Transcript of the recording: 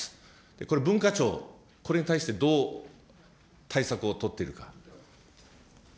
これ、文化庁、これに対してどう対策を取ってるか。